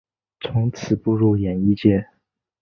从此步入演艺界。